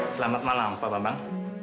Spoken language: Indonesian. selamat malam pak bambang